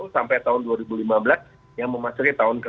sampai tahun dua ribu lima belas yang memasuki tahun ke enam